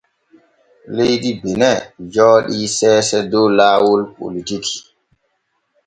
Leydi Bene jooɗii seese dow laawol politiiki.